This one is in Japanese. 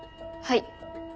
はい。